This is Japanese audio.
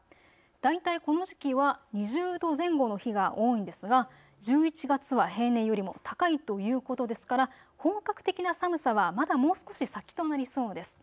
大体、この時期は２０度前後の日が多いんですが１１月は平年よりも高いということですから本格的な寒さはまだもう少し先となりそうです。